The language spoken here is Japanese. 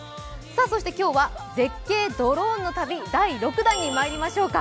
今日は絶景ドローンの旅第６弾にまいりましょうか。